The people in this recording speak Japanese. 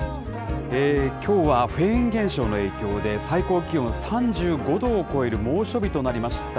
きょうはフェーン現象の影響で、最高気温３５度を超える猛暑日となりました。